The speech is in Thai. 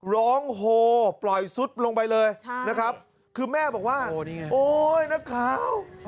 โฮปล่อยซุดลงไปเลยนะครับคือแม่บอกว่าโอ๊ยนักข่าว